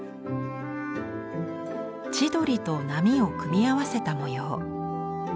千鳥と波を組み合わせた模様。